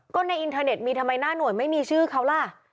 ก็ในอินเทอร์เน็ตมีทำไมหน้าหน่วยไม่มีชื่อเขาล่ะ